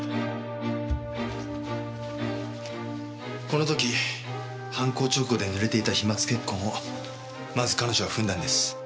この時犯行直後で濡れていた飛沫血痕をまず彼女は踏んだんです。